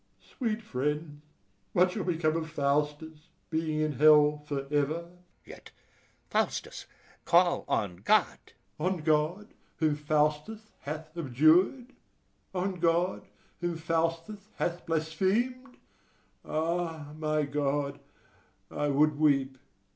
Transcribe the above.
Sweet friends, what shall become of Faustus, being in hell for ever? THIRD SCHOLAR. Yet, Faustus, call on God. FAUSTUS. On God, whom Faustus hath abjured! on God, whom Faustus hath blasphemed! Ah, my God, I would weep!